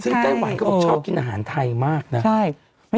ซึ่งไต้หวันก็บอกชอบกินอาหารไทยมากนะ